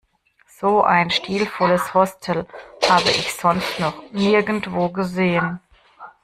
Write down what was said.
So ein stilvolles Hostel habe ich sonst noch nirgendwo gesehen.